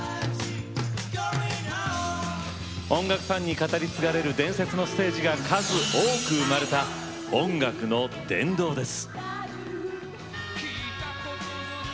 音楽ファンに語り継がれる伝説のステージが数多く生まれた音楽の殿堂です。